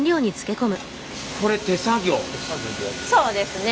そうですね